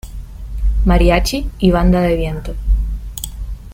Mariachi y Banda de Viento.